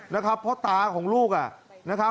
เพราะตากลูกอ่ะ